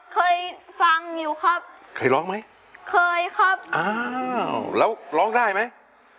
เคยฟังอยู่ครับเคยร้องไหมเคยครับอ้าวแล้วร้องได้ไหม